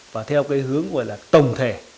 và theo hướng tổng thể